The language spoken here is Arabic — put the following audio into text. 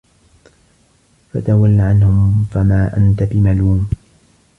فَتَوَلَّ عَنهُم فَما أَنتَ بِمَلومٍ